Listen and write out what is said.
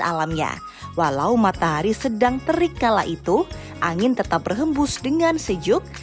alamnya walau matahari sedang terik kala itu angin tetap berhembus dengan sejuk